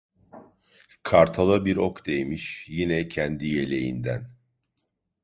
Kartala bir ok değmiş, yine kendi yeleğinden.